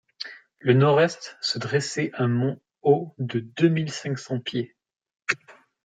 le nord-est se dressait un mont haut de deux mille cinq cents pieds.